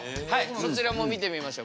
そちらも見てみましょう。